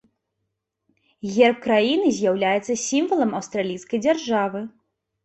Герб краіны з'яўляецца сімвалам аўстралійскай дзяржавы.